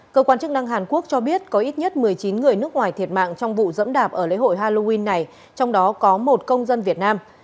cơ quan chức năng hàn quốc cho biết có ít nhất một mươi chín người nước ngoài thiệt mạng trong vụ dẫm đạp ở lễ hội halloween này trong đó có một công dân việt nam